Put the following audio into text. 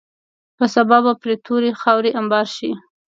په سبا به پرې تورې خاورې انبار شي.